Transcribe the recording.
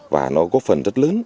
và nó góp phần rất lớn